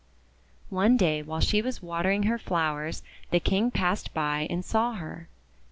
One day while she was watering her flowers the King passed by and saw her.